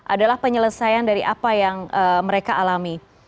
adalah penyelesaian dari apa yang mereka alami